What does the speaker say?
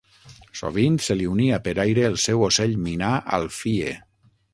Sovint se li unia per aire el seu ocell minà Alfie.